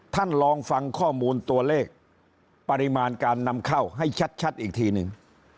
ลองฟังข้อมูลตัวเลขปริมาณการนำเข้าให้ชัดอีกทีหนึ่ง